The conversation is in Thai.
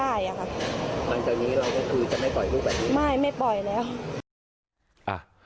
อันตรายนี้เราก็คือจะไม่ปล่อยลูกแบบนี้ไม่ไม่ปล่อยแล้ว